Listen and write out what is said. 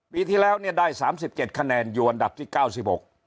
ปีที่แล้วเนี่ยได้๓๗คะแนนอยู่อันดับที่๙๖